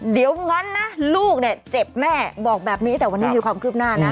เดี๋ยวงั้นนะลูกเนี่ยเจ็บแม่บอกแบบนี้แต่วันนี้มีความคืบหน้านะ